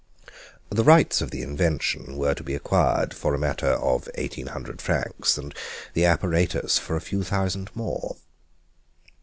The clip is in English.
The rights of the invention were to be acquired for a matter of eighteen hundred francs, and the apparatus for a few thousand more.